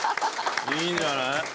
いいんじゃない。